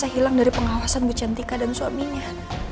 saya hilang dari pengawasan bu chantika dan suaminya